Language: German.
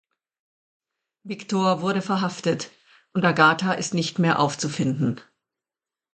Victor wurde verhaftet und Agatha ist nicht mehr aufzufinden.